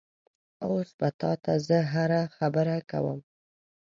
اوس به تا ته زه هره خبره کومه؟